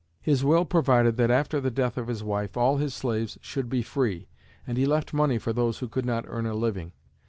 His will provided that, after the death of his wife, all his slaves should be free and he left money for those who could not earn a living.